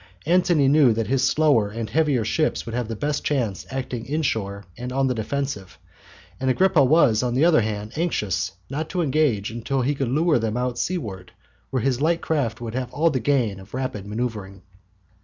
Antony knew that his slower and heavier ships would have the best chance acting inshore and on the defensive, and Agrippa was, on the other hand, anxious not to engage until he could lure them out seaward, where his light craft would have all the gain of rapid manoeuvring.